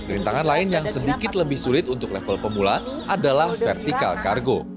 rintangan lain yang sedikit lebih sulit untuk level pemula adalah vertikal kargo